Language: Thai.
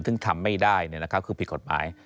ซึ่งทำไม่ได้คือผิดกฎหมาย